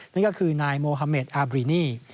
นั่นก็คือนายโมฮาเมดอาบรีนี่